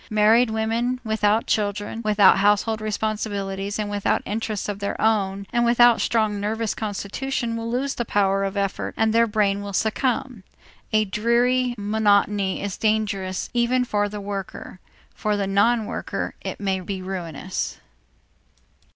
Married women without children, without household responsibilities, and without interests of their own and without strong nervous constitution will soon lose the power of effort and their brain will succumb. A dreary monotony is dangerous even for the worker; for the non worker it may be ruinous.